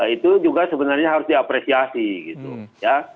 itu juga sebenarnya harus diapresiasi gitu ya